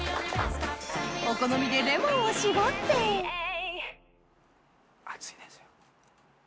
お好みでレモンを搾って熱いですよ。